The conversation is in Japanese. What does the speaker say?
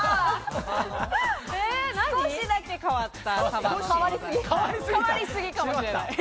少しだけ変わった。